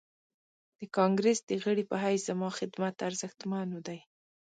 د کانګريس د غړي په حيث زما خدمت ارزښتمن دی.